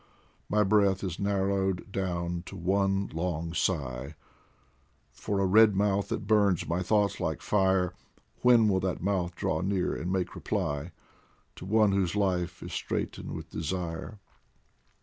My breath is narrowed down to one long sigh For a red mouth that burns my thoughts like fire When will that mouth draw near and make reply To one whose life is straitened with desire